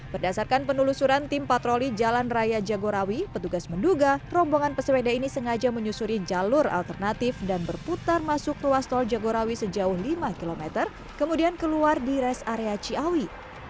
berdasarkan penelusuran tim patroli jalan raya jagorawi petugas menduga rombongan pesepeda ini sengaja menyusuri jalur alternatif dan berputar masuk ruas tol jagorawi sejauh lima km kemudian keluar di res area ciawi